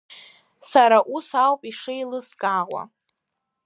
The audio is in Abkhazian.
Сара ус ауп ишеилыскаауа.